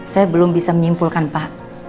saya belum bisa menyimpulkan pak